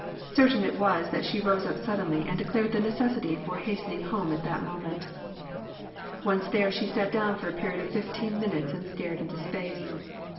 Certain it was that she rose up sud denly and declared the necessity for hastening home that moment. Once there, she sat down for a period of fifteen minutes and stared into space.